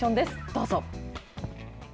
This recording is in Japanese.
どうぞ。